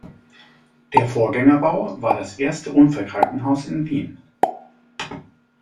Der Vorgängerbau war das erste Unfallkrankenhaus in Wien.